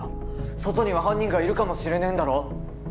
外には犯人がいるかもしれねぇんだろ？